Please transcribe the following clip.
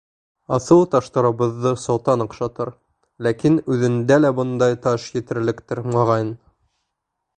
Аҫыл таштарыбыҙҙы солтан оҡшатыр, ләкин үҙендә лә бындай таш етерлектер, моғайын.